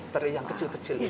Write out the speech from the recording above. teri yang kecil kecil itu